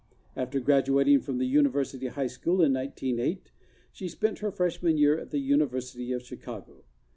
After graduating from the University High School in 1908, she spent her freshman year at the University of Chi¬ cago.